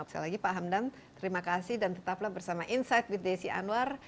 sekali lagi pak hamdan terima kasih dan tetaplah bersama insight with desi anwar